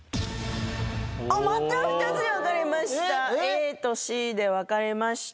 また２つに分かれました。